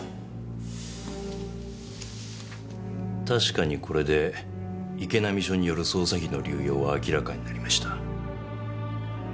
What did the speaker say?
確かにこれで池波署による捜査費の流用は明らかになりました。